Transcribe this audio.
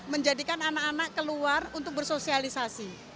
menjadikan anak anak keluar untuk bersosialisasi